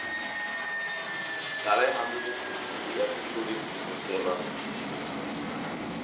Dabei handelte es sich um die erste Studie zu diesem Thema.